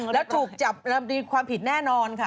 แล้วถูกจับดีความผิดแน่นอนค่ะ